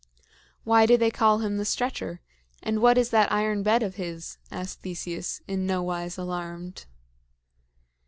"Why do they call him the Stretcher? And what is that iron bed of his?" asked Theseus, in no wise alarmed.